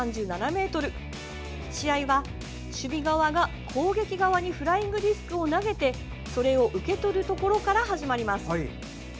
試合は、守備側が攻撃側にフライングディスクを投げてそれを受け取るところから始まります。